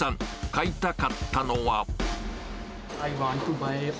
買いたかったのは。